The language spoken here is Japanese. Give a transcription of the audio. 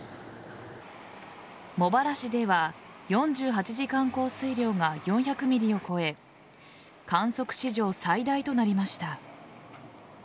茂原市では、４８時間降水量が４００ｍｍを超え観測史上最大となりました。